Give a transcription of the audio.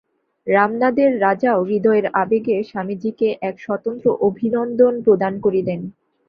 রামনাদের রাজাও হৃদয়ের আবেগে স্বামীজীকে এক স্বতন্ত্র অভিনন্দন প্রদান করিলেন।